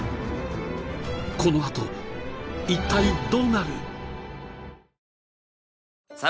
このあと一体どうなる？